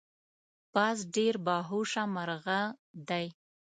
باز ډیر باهوشه مرغه دی